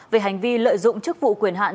về hành vi lợi dụng chức vụ quyền hạn